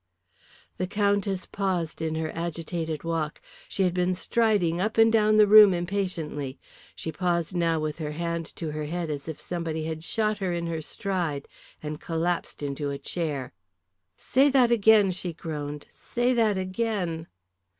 The Countess paused in her agitated walk. She had been striding up and down the room impatiently. She paused now with her hand to her head as if somebody had shot her in her stride, and collapsed into a chair. "Say that again," she groaned, "say that again."